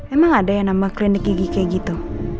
emang ada yang nama klinik gigi kayak gitu